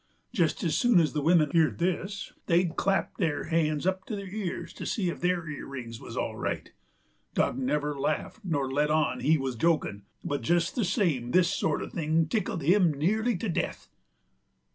Jest as soon as the wimmin heerd this they'd clap their han's up to their ears to see if their earrings wuz all right. Dock never laffed nor let on like he wuz jokin', but jest the same this sort uv thing tickled him nearly to de'th.